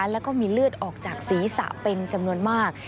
แล้วก็มีเลือดออกจากศีรษะเป็นจำนวนมาก